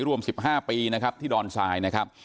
รวม๑๕ปีที่ดอนทราย